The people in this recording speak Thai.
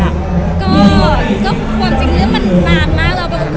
ตามความคิดมันดันมาก